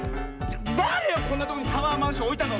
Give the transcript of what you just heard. だれよこんなとこにタワーマンションおいたの！